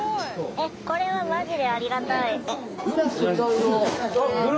これはマジでありがたい。